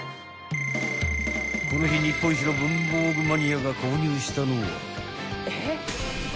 ［この日日本一の文房具マニアが購入したのは］